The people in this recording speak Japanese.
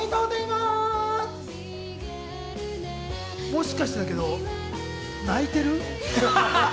もしかしたらだけど、泣いてる？